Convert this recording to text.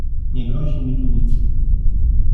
Nie grozi mi tu nic.